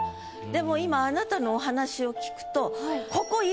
でも今あなたのお話を聞くと。